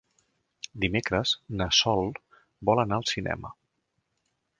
Dimecres na Sol vol anar al cinema.